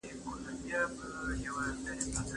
ملتونه په بښنې سره پرمختګ کوي.